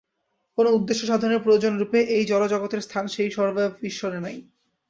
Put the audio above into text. কোন উদ্দেশ্য-সাধনের প্রয়োজনরূপে এই জড়জগতের স্থান সেই সর্বব্যাপী ঈশ্বরে নাই।